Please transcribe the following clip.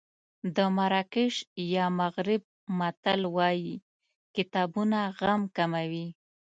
د مراکش یا مغرب متل وایي کتابونه غم کموي.